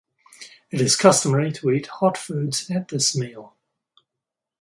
It is customary to eat hot foods at this meal.